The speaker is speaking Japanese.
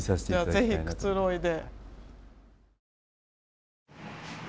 じゃあぜひくつろいで。